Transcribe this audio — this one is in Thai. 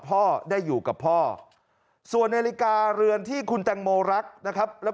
พ่อได้อยู่กับพ่อส่วนนาฬิกาเรือนที่คุณแตงโมรักนะครับแล้ว